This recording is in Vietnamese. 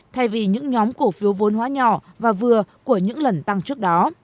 thay vì những nhóm cổ phiếu vốn hóa nhỏ và vừa của những lần tăng trước đó